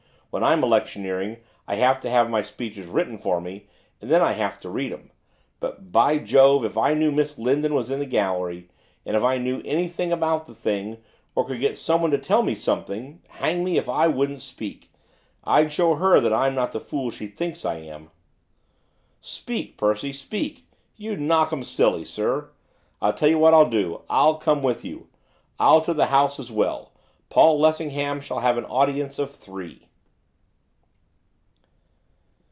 When I'm electioneering I have to have my speeches written for me, and then I have to read 'em. But, by Jove, if I knew Miss Lindon was in the gallery, and if I knew anything about the thing, or could get someone to tell me something, hang me if I wouldn't speak, I'd show her I'm not the fool she thinks I am!' 'Speak, Percy, speak! you'd knock 'em silly, sir! I tell you what I'll do, I'll come with you! I'll to the House as well! Paul Lessingham shall have an audience of three.